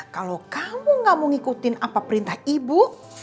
kalau kamu gak mau ngikutin apa perintah ibu